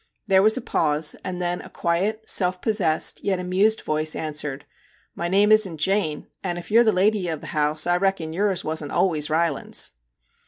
There was a pause, and then a quiet, self possessed, yet amused voice answered ' My name isn't Jane, and if you 're the lady of the house, I reckon yours wasn't always Rylands.'